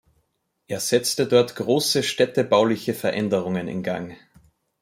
Er setzte dort große städtebauliche Veränderungen in Gang.